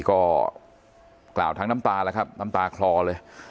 ก็กล่าวทั้งน้ำตาแล้วครับน้ำตาคลอเลย